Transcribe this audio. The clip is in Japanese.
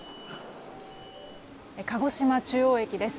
鹿児島中央駅です。